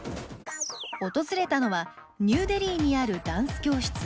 訪れたのはニューデリーにあるダンス教室。